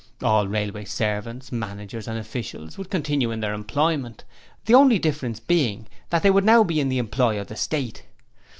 All railways servants, managers and officials would continue in their employment; the only difference being that they would now be in the employ of the State.